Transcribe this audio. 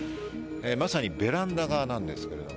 まさにベランダ側なんですけれども。